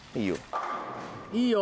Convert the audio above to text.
いいよ。